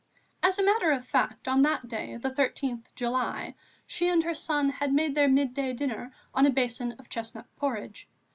As a matter of fact, on that day, the 13th July, she and her son had made their midday dinner on a basin of chestnut porridge.